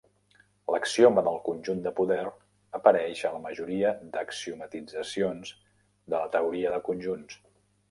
L'axioma del conjunt de poder apareix a la majoria d'axiomatitzacions de la teoria de conjunts.